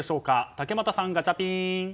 竹俣さん、ガチャピン！